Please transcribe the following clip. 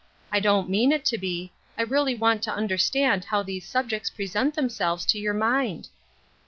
I don't mean it Xo be ; I really want to under stand how those subjects present themselves to your mind."